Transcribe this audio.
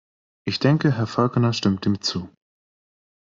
Ich denke, Herr Falconer stimmt dem zu.